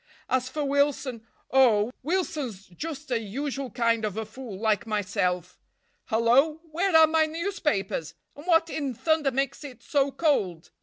As for Wilson—oh, Wilson's just a usual kind of a fool, like myself. Hello, where are my newspapers—and what in thunder makes it so cold?